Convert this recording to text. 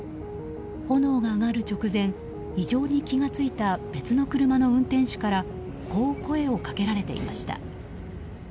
炎が上がる直前異常に気が付いた別の車の運転手からこう声をかけられていました。